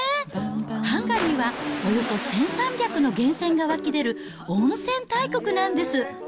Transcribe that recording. ハンガリーはおよそ１３００の源泉が湧き出る温泉大国なんです。